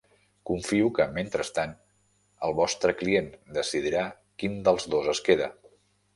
Confio que mentrestant el vostre client decidirà quin dels dos es queda.